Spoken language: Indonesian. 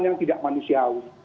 karena itu tidak manusiawi